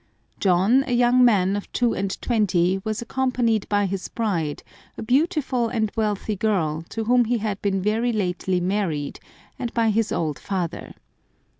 John, a young man of two and twenty, was accompanied by his bride, a beautiful and wealthy girl, to whom he had been very lately married, and by his old father.